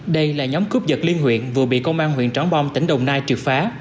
đây là nhóm cướp giật liên huyện vừa bị công an huyện tráng bom tỉnh đồng nai trượt phá